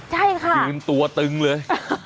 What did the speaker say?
ใช่ค่ะยืนตัวตึงเลย